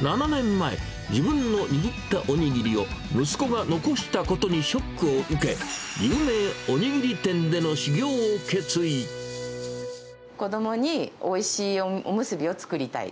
７年前、自分の握ったおにぎりを、息子が残したことにショックを受け、子どもにおいしいおむすびを作りたい。